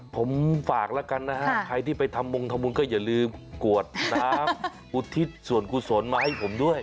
ผมฝากแล้วกันนะฮะใครที่ไปทำมงทำบุญก็อย่าลืมกวดน้ำอุทิศส่วนกุศลมาให้ผมด้วย